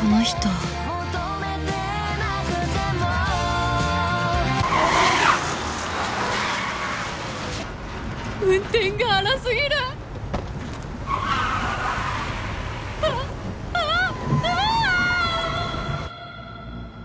この人運転が荒すぎるああっああっ！